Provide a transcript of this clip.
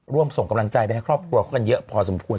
ร่วมส่งกำลังใจไปให้ครอบครัวเขากันเยอะพอสมควร